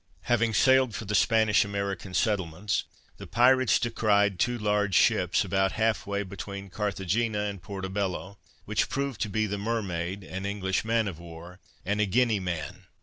Having sailed for the Spanish American settlements, the pirates descried two large ships, about half way between Carthagena and Portobello, which proved to be the Mermaid, an English man of war, and a Guineaman.